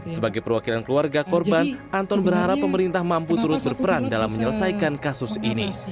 sebagai perwakilan keluarga korban anton berharap pemerintah mampu turut berperan dalam menyelesaikan kasus ini